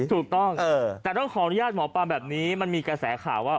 ถูกต้องแต่ต้องขออนุญาตหมอปลาแบบนี้มันมีกระแสข่าวว่า